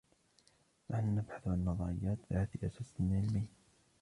نحن نبحث عن نظريات ذات أساس علمي.